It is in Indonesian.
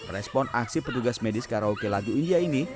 respon aksi petugas medis karaoke lagu india ini